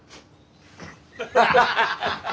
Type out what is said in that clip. ハハハハ！